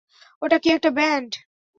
ওটা কি একটা ব্যান্ড?